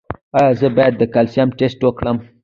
ایا زه باید د کلسیم ټسټ وکړم؟